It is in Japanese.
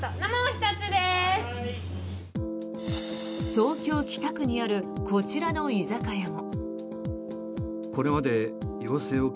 東京・北区にあるこちらの居酒屋も。